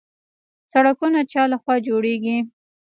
سړکونه چا لخوا جوړیږي؟